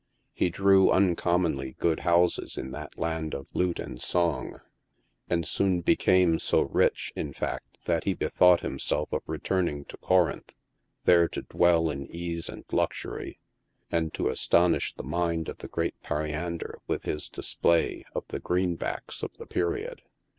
He drew uncommon ly good houses in that land of lute and song, and soon became so rich, in fact, that he bethought him of returning to Corinth, there to dwell in ease and luxury, and to astonish the mind of the great Pe riander with his display of the greenbacks of the period.